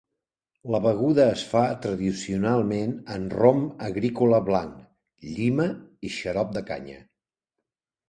La beguda es fa tradicionalment amb rom agrícola blanc, llima i xarop de canya.